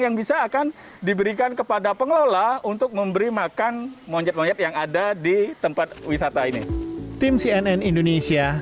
yang bisa akan diberikan kepada pengelola untuk memberi makan monyet monyet yang ada di tempat wisata ini